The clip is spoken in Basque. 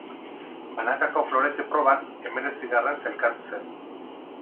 Banakako florete proban hemeretzigarren sailkatu zen.